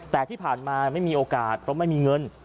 แต่ที่ผ่านมาไม่มีโอกาสเพราะไม่มีเงิน